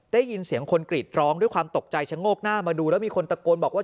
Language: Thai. ได้ยินเสียงคนกรีดร้องด้วยความตกใจชะโงกหน้ามาดูแล้วมีคนตะโกนบอกว่า